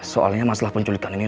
soalnya masalah penculikan ini